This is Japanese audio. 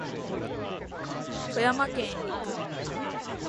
富山県へ行く